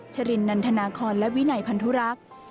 ชรินนันทนาคอนและวินัยพันธุรักษ์